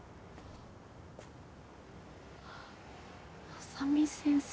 浅海先生。